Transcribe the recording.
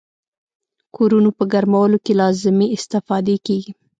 کورونو په ګرمولو کې لازمې استفادې کیږي.